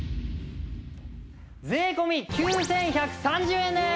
税込９１３０円です！